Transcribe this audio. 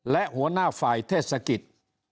และหัวหน้าฝ่ายเทศกิจ